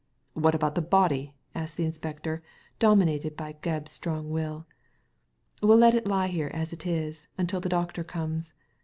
"What about the body?" asked the inspector, dominated by Gebb's strong will " We'll let it lie here as it is, until the doctor comes.